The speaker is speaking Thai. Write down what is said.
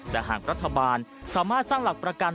แต่หากรัฐบาลสามารถสร้างหลักประกัน